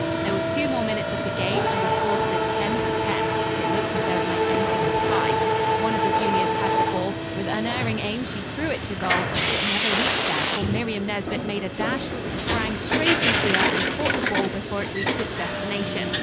There were two more minutes of the game, and the score stood 10 to 10. It looked as though it might end in a tie. One of the juniors had the ball. With unerring aim she threw it to goal. It never reached there, for Miriam Nesbit made a dash, sprang straight into the air and caught the ball before it reached its destination.